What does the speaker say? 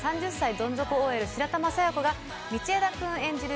どん底ＯＬ、白玉佐弥子が道枝君演じる